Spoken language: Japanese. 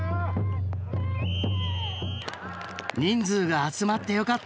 人数が集まってよかった！